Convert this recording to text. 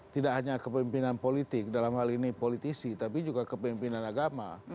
tidak hanya kepemimpinan politik dalam hal ini politisi tapi juga kepemimpinan agama